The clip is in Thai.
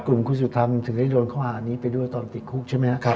กลุ่มคุณสุธรรมถึงได้โดนข้อหานี้ไปด้วยตอนติดคุกใช่ไหมครับ